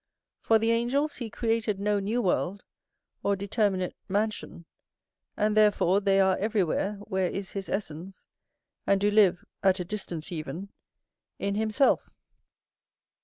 For the angels he created no new world, or determinate mansion, and therefore they are everywhere where is his essence, and do live, at a distance even, in himself.